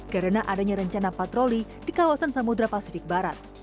karena adanya rencana patroli di kawasan samudera pasifik barat